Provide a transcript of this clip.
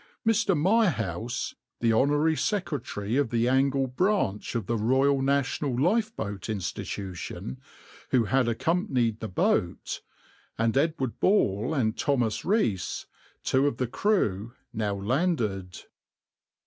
\par Mr. Mirehouse, the Honorary Secretary of the Angle Branch of the Royal National Lifeboat Institution, who had accompanied the boat, and Edward Ball and Thomas Rees, two of the crew, now landed.